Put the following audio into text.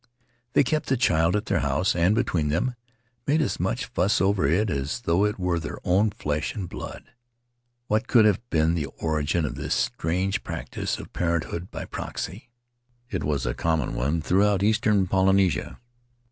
They kept the child at their house, and between them made as much fuss over it as though it were their own flesh and blood. What could have been the origin of this strange practice of parenthood by proxy? It was a common one throughout eastern Polynesia.